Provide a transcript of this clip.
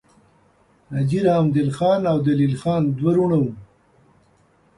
حاجي رحمدل خان او دلیل خان دوه وړونه وه.